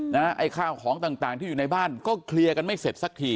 ไอ้ข้าวของต่างที่อยู่ในบ้านก็เคลียร์กันไม่เสร็จสักที